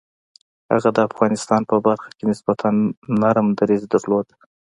هغه د افغانستان په برخه کې نسبتاً نرم دریځ درلود.